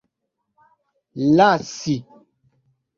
lasi